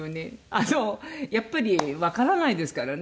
あのやっぱりわからないですからね。